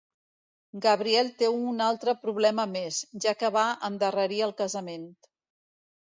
Gabriel té un altre problema més, ja que va endarrerir el casament.